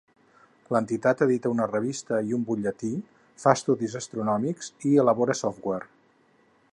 L'entitat edita una revista i un butlletí, fa estudis astronòmics i elabora software.